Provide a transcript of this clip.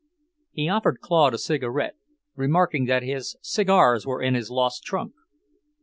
He offered Claude a cigarette, remarking that his cigars were in his lost trunk.